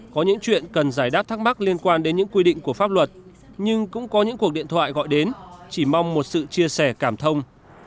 có những chuyện cần giải đáp thắc mắc liên quan đến những quy định của pháp luật nhưng cũng có những cuộc điện thoại gọi đến chỉ mong một sự chia sẻ cảm thông